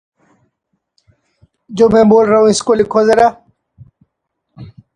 شردہا اپنی پسند کے لڑکے سے شادی کرے گی